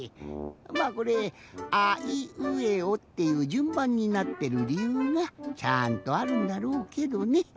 まあこれ「あいうえお」っていうじゅんばんになってるりゆうがちゃんとあるんだろうけどね。